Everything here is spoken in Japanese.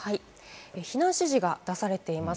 避難指示が出されています。